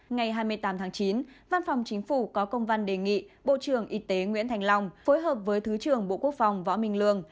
ngày hai mươi tám tháng chín văn phòng chính phủ có công văn đề nghị bộ trưởng y tế nguyễn thành long phối hợp với thứ trưởng bộ quốc phòng võ minh lương